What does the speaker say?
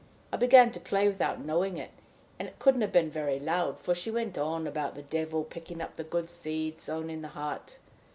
I began to play without knowing it, and it couldn't have been very loud, for she went on about the devil picking up the good seed sown in the heart.